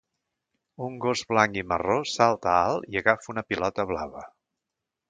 Un gos blanc i marró salta alt i agafa una pilota blava.